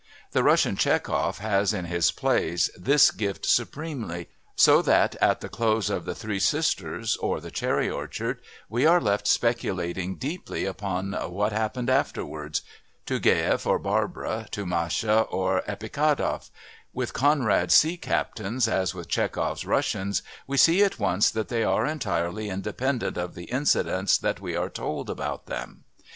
The Russian Tchekov has, in his plays, this gift supremely, so that at the close of The Three Sisters or The Cherry Orchard we are left speculating deeply upon "what happened afterwards" to Gayef or Barbara, to Masha or Epikhadov; with Conrad's sea captains as with Tchekov's Russians we see at once that they are entirely independent of the incidents that we are told about them.